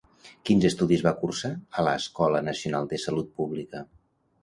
Quins estudis va cursar a l'Escola Nacional de Salut Pública?